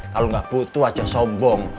kalo gak butuh aja sombong